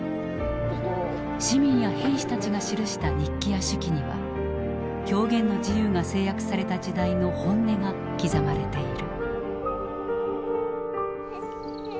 市民や兵士たちが記した日記や手記には表現の自由が制約された時代の本音が刻まれている。